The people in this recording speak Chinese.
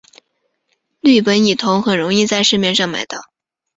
氯苯乙酮很容易在市面上买到。